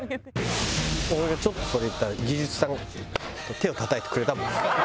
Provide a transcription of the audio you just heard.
俺がちょっとそれ言ったら技術さんが手をたたいてくれたもん。